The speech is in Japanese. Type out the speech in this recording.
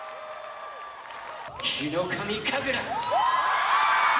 ヒノカミ神楽！